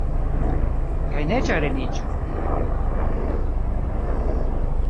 Kaj ne ĉagreniĝu.